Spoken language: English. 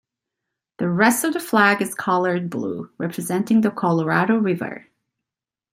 The rest of the flag is colored blue, representing the Colorado River.